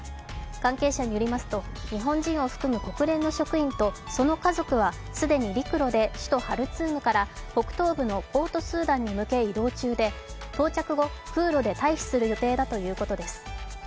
関係者によりますと日本人を含む国連の職員とその家族は既に陸路で首都ハルツームから北東部のポートスーダンに向け移動中で到着後、空路で退避する予定だということです。